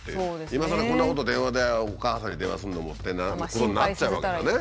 今さらこんなこと電話でお母さんに電話するのもっていうようなことになっちゃうわけだね。